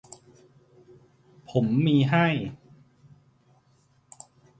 ผมมีให้